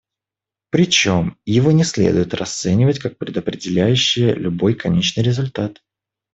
Причем его не следует расценивать как предопределяющее любой конечный результат.